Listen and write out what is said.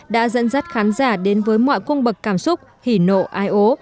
đã dẫn dắt khán giả đến với mọi cung bậc cảm xúc hỉ nộ ai ố